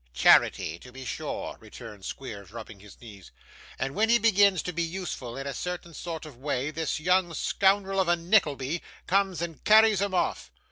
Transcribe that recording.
'Charity, to be sure,' returned Squeers, rubbing his knees, 'and when he begins to be useful in a certain sort of way, this young scoundrel of a Nickleby comes and carries him off.